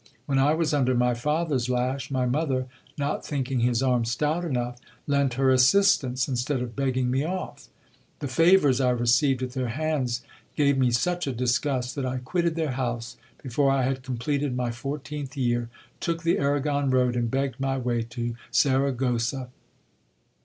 When I was under my father's lash, my mother, not thinking his arm stout enough, lent her assistance, instead of begging me off. The favours I received at their hands gave me such a disgust, that I quitted their house be GIL BLAS. fore I had completed my fourteenth year, took the Arragon road, and begged my way to Saragossa.